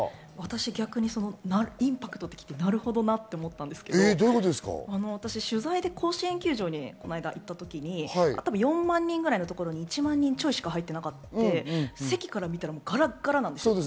逆にインパクトと聞いてなるほどなと思ったんですけれども、取材で甲子園球場でこないだ行った時に４万人くらいのところに１万人ちょいしか入っていなくて、席から見たらガラガラなんですよ。